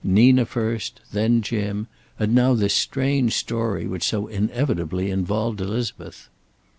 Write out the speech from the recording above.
Nina first, then Jim, and now this strange story which so inevitably involved Elizabeth.